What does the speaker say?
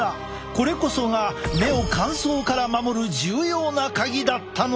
これこそが目を乾燥から守る重要なカギだったのだ。